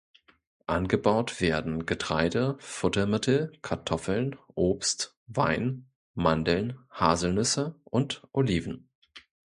Angebaut werden Getreide, Futtermittel, Kartoffeln, Obst, Wein, Mandeln, Haselnüsse und Oliven.